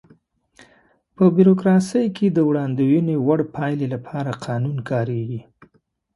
په بیوروکراسي کې د وړاندوينې وړ پایلې لپاره قانون کاریږي.